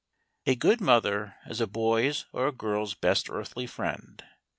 A GOOD mother is a boy's or a girl's best earthly friend.